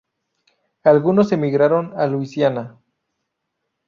Algunos emigraron a Luisiana.